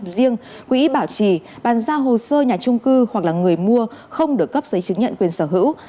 riêng quỹ bảo trì bàn ra hồ sơ nhà trung cư hoặc là người mua không được cấp giấy chứng nhận quyền sở hữu